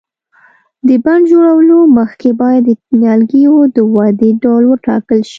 د بڼ جوړولو مخکې باید د نیالګیو د ودې ډول وټاکل شي.